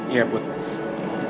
iya put lo tenang ya